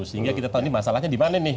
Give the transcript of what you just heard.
sehingga kita tahu ini masalahnya di mana nih